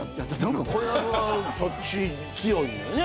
小籔はそっち強いよね